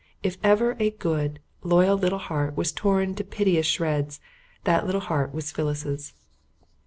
If ever a good, loyal little heart was torn into piteous shreds, that little heart was Phyllis's.